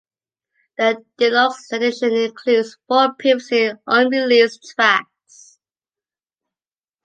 The deluxe edition includes four previously unreleased tracks.